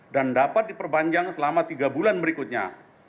dan dapat diperpanjang selama tiga bulan berikutnya